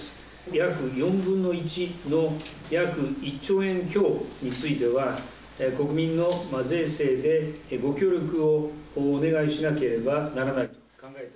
約４分の１の約１兆円強については、国民の税制でご協力をお願いしなければならないと。